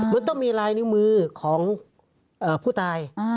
มันต้องมีลายนิ้วมือของผู้ตาย